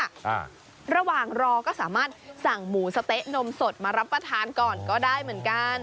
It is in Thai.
อ่าระหว่างรอก็สามารถสั่งหมูสะเต๊ะนมสดมารับประทานก่อนก็ได้เหมือนกัน